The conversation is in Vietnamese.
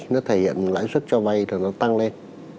nó thể hiện lãi xuất cho vay tăng lên